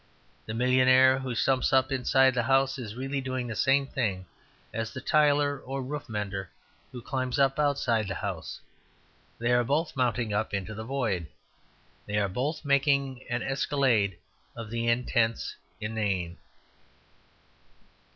The millionaire who stumps up inside the house is really doing the same thing as the tiler or roof mender who climbs up outside the house; they are both mounting up into the void. They are both making an escalade of the intense inane.